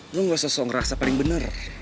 lo gak sesuai ngerasa paling bener